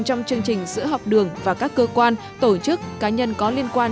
trong chương trình sữa học đường và các cơ quan tổ chức cá nhân có liên quan